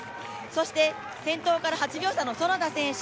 そして先頭から８秒差の其田選手